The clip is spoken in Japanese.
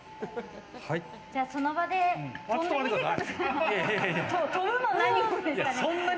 その場で、跳んでみてください。